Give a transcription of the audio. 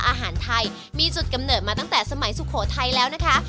อาหารไทยมีจุดกำเนิดมาตั้งแต่สมัยสุโขทัยแล้วนะคะ